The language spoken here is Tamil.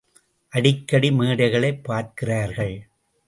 அடிக்கடி மேடைகளைப் பார்க்கிறார்கள்!